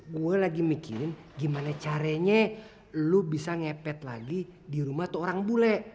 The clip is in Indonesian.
gue lagi mikirin gimana caranya lu bisa ngepet lagi di rumah tuh orang bule